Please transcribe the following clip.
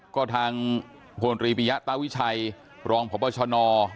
ก็ทางพลตรีปิยะตาวิชัยรองพบชน